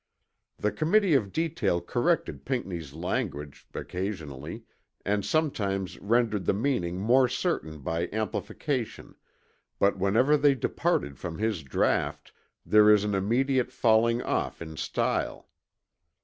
The Committee of Detail corrected Pinckney's language, occasionally, and sometimes rendered the meaning more certain by amplification but whenever they departed from his draught, there is an immediate falling off in style.